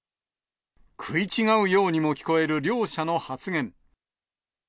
食い違うようにも聞こえる、両者の発言。